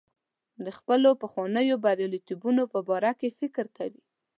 د خپلو پخوانیو بریالیتوبونو په باره کې فکر کوم.